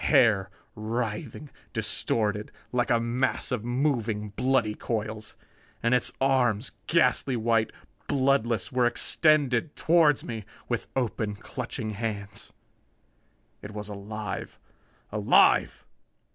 Hair writhing, distorted like a mass of moving, bloody coils. And its arms, ghastly white, bloodless, were extended toward me, with open, clutching hands. It was alive! Alive!